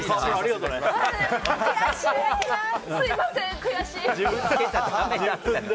すみません、悔しい！